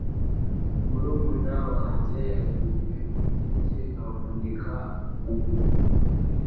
Murumuna wanjye yaguye ku giti avunika ukuguru.